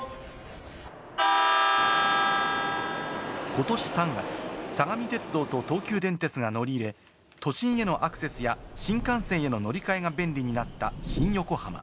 ことし３月、相模鉄道と東急電鉄が乗り入れ、都心へのアクセスや新幹線への乗り換えが便利になった新横浜。